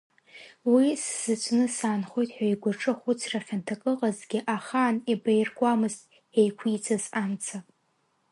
Уи сзаҵәны саанхоит ҳәа игәаҿы хәыцра хьанҭак ыҟазҭгьы ахаан еибаиркуамызт еиқәиҵаз амца.